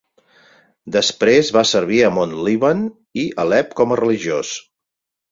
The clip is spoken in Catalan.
Després va servir a Mont Líban i Alep com a religiós.